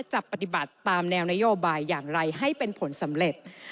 จะปฏิบัติตามแนวนโยบายอย่างไรให้เป็นผลสำเร็จ